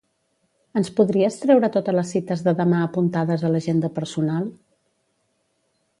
Ens podries treure totes les cites de demà apuntades a l'agenda personal?